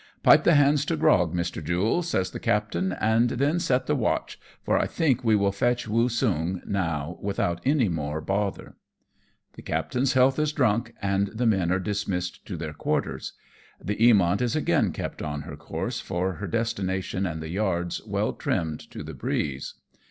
"Pipe the hands to grog, Mr. Jule/' says the captain, " and then set the watch, for I think we will fetch Woosung now without any more bother." The captain's health is drunk, and the men are dismissed to their quarters. The Eamont is again kept on her course for her destination, and the yards well trimmed to the breeze.